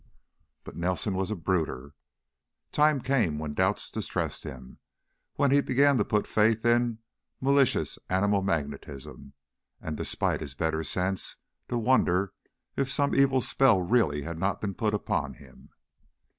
But Nelson was a brooder. Time came when doubts distressed him, when he began to put faith in "malicious animal magnetism" and, despite his better sense, to wonder if some evil spell really had not been put upon him.